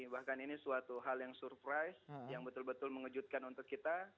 bahkan ini suatu hal yang surprise yang betul betul mengejutkan untuk kita